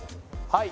はい。